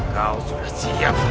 kau sudah siap